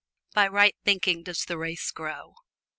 By right thinking does the race grow.